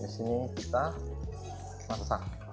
di sini kita masak